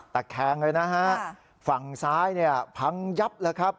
ตะแคงเลยนะฮะฝั่งซ้ายเนี่ยพังยับแล้วครับ